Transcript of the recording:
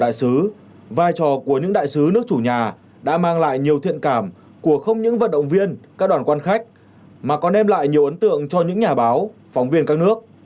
đại sứ vai trò của những đại sứ nước chủ nhà đã mang lại nhiều thiện cảm của không những vận động viên các đoàn quan khách mà còn đem lại nhiều ấn tượng cho những nhà báo phóng viên các nước